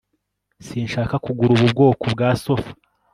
sinshaka kugura ubu bwoko bwa sofa